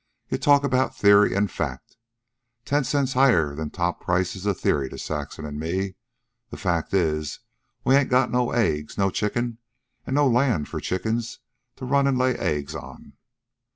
You talk about theory an' fact. Ten cents higher than top price is a theory to Saxon an' me. The fact is, we ain't got no eggs, no chickens, an' no land for the chickens to run an' lay eggs on."